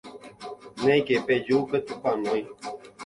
néike peju petupãnói.